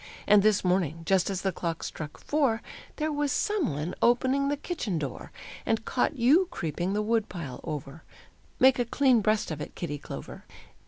And this morning, just as the clock struck four, There was some one opening the kitchen door, And caught you creeping the wood pile over, Make a clean breast of it, Kitty Clover!"